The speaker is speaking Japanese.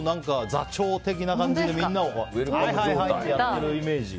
座長的な感じで、みんなをハイハイってやってるイメージ。